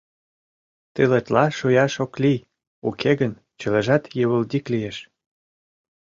Тылетла шуяш ок лий, уке гын чылажат йывылдик лиеш.